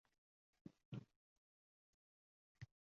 — Mana, hozir ikkalamiz bir oydan buyon gaplashib turibmiz.